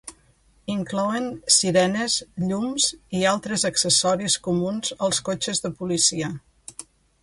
Inclouen sirenes, llums i altres accessoris comuns als cotxes de policia.